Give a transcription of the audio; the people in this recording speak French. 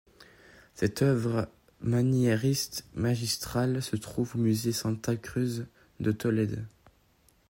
Cette œuvre maniériste magistrale se trouve au musée Santa Cruz de Tolède.